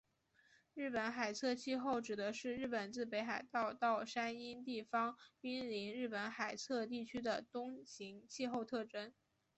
日本海侧气候指的是日本自北海道到山阴地方滨临日本海侧地区的冬型气候的特征。